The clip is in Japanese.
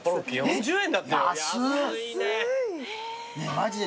マジで。